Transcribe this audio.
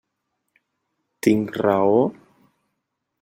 Tinc raó?